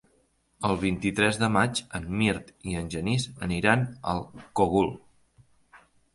El vint-i-tres de maig en Mirt i en Genís aniran al Cogul.